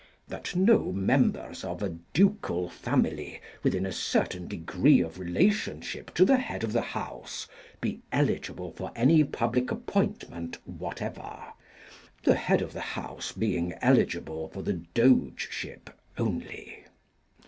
That no members of a ducal family within a certain degree of relationship to the head of the house be eligible for any public appointment whatever; the head of the house being eligible for the Dogeship only.